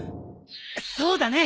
そうだね